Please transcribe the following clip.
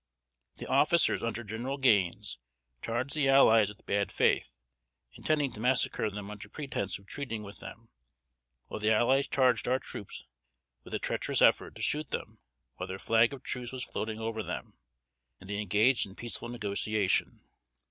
The officers under General Gaines charged the allies with bad faith, intending to massacre them under pretense of treating with them; while the allies charged our troops with a treacherous effort to shoot them while their flag of truce was floating over them, and they engaged in peaceful negotiation.